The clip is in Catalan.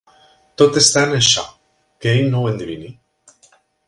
Tot està en això: que ell no ho endevini.